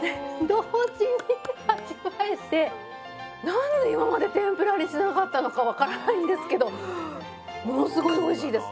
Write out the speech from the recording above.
何で今まで天ぷらにしなかったのか分からないんですけどものすごいおいしいです。